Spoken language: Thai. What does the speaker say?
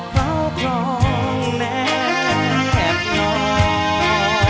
เผาทองแม่แคบน้อง